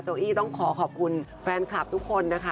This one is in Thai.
อี้ต้องขอขอบคุณแฟนคลับทุกคนนะคะ